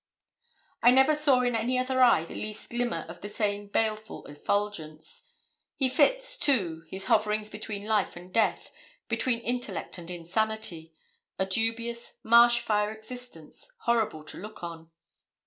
I never saw in any other eye the least glimmer of the same baleful effulgence. His fits, too his hoverings between life and death between intellect and insanity a dubious, marsh fire existence, horrible to look on!